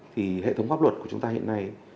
thì hệ thống pháp luật của chúng ta hiện nay